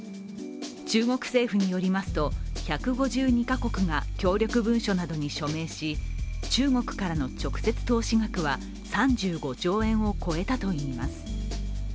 中国政府によりますと、１５２か国が協力文書などに署名し、中国からの直接投資額は３５兆円を超えたといいます。